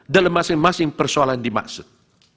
dalam masing masing persoalan dimaksud